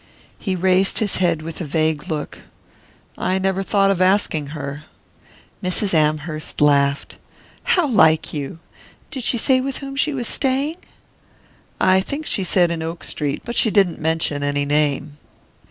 He raised his head with a vague look. "I never thought of asking her." Mrs. Amherst laughed. "How like you! Did she say with whom she was staying?" "I think she said in Oak Street but she didn't mention any name."